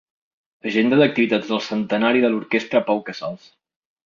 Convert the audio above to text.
Agenda d'activitats del Centenari de l'Orquestra Pau Casals.